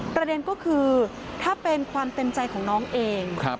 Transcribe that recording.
ประเด็นก็คือถ้าเป็นความเต็มใจของน้องเอง